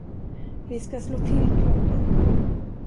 Vi ska slå till klockan.